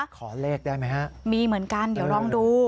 ขอเลขได้ไหมฮะมีเหมือนกันเดี๋ยวลองดู